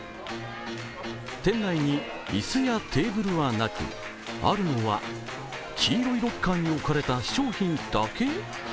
店内に椅子やテーブルはなく、あるのは、黄色いロッカーに置かれた商品だけ？